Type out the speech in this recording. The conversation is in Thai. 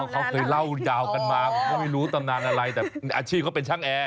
เขาเคยเล่ายาวกันมาผมก็ไม่รู้ตำนานอะไรแต่อาชีพเขาเป็นช่างแอร์